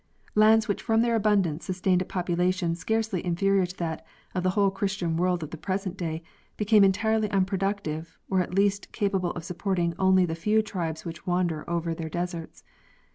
Lands which from their abundance sustained a population scarcely inferior to that of the whole Christian world of the present day became entirely unproductive or at least capable of supporting only the few tribes which wander over their deserts.